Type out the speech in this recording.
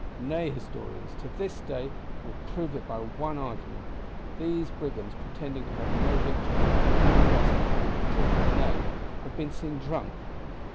Nay Historians, to this day, will prove it by one argument: these Brigands pretending to have no victual, nevertheless contrive to drink, nay, have been seen drunk.